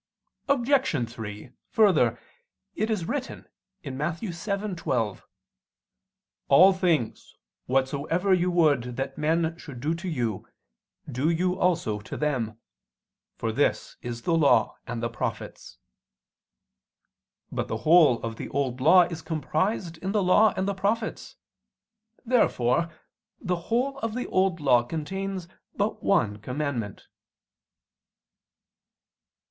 Obj. 3: Further, it is written (Matt. 7:12): "All things ... whatsoever you would that men should do to you, do you also to them. For this is the Law and the prophets." But the whole of the Old Law is comprised in the Law and the prophets. Therefore the whole of the Old Law contains but one commandment.